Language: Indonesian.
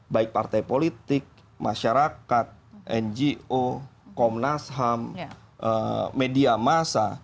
baik partai politik masyarakat ngo komnas ham media masa